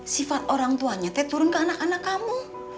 sifat orang tuanya saya turun ke anak anak kamu